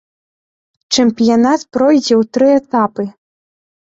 Чэмпіянат пройдзе ў тры этапы.